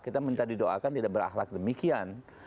kita minta didoakan tidak berakhlak demikian